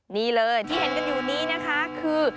นี่เลยที่เห็นกันอยู่นี้นะคะคือ